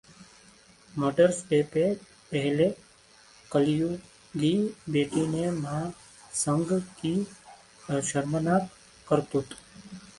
मडर्स day से पहले कलयुगी बेटे ने मां संग की शर्मनाक करतूत